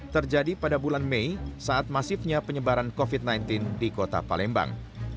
terjadi pada bulan mei saat masifnya penyebaran covid sembilan belas di kota palembang